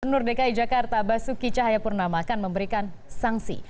nur dki jakarta basuki cahayapurnama akan memberikan sanksi